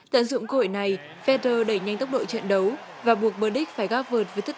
tận dụng cơ hội này federer đẩy nhanh tốc độ trận đấu và buộc burdick phải gác vợt với thất